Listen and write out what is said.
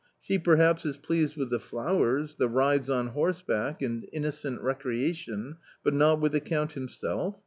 She perhaps is pleased with the flowers, the rides on horseback, and innocent recreation, but not with the Count himself